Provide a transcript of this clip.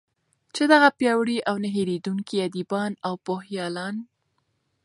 چې دغه پیاوړي او نه هیردونکي ادېبان او پوهیالان